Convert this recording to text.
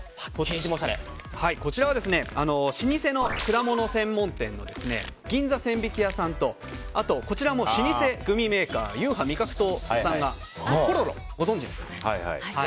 こちらは老舗の果物専門店の銀座千疋屋さんとこちらも老舗グミメーカーＵＨＡ味覚糖さんのコロロご存じですかね。